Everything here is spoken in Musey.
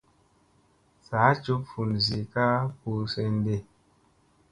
Saa juɓ vun zii ka ɓuu senɗi.